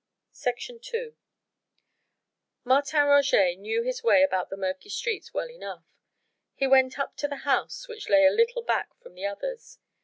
II Martin Roget knew his way about the murky street well enough. He went up to the house which lay a little back from the others.